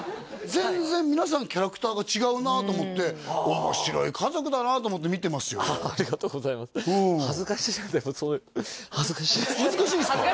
全然皆さんキャラクターが違うなと思って面白い家族だなと思って見てますよありがとうございます恥ずかしい恥ずかしいんですか？